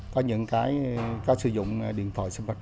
có những cái sử dụng điện thoại smartphone